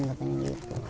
jat kapuran katanya gitu